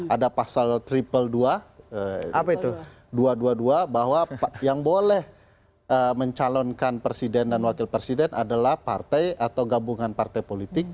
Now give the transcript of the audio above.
ada pasal dua ratus dua puluh dua bahwa yang boleh mencalonkan presiden dan wakil presiden adalah partai atau gabungan partai politik